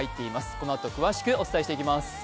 このあと詳しくお伝えしてまいります。